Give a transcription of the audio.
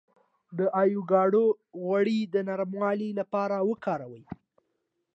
د ایوکاډو غوړي د نرموالي لپاره وکاروئ